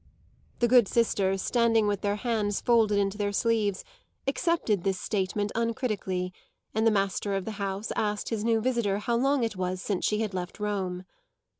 The good sisters, standing with their hands folded into their sleeves, accepted this statement uncritically; and the master of the house asked his new visitor how long it was since she had left Rome.